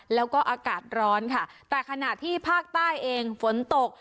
แล้วก็อากาศร้อนค่ะแต่ขณะที่ภาคใต้เองฝนตก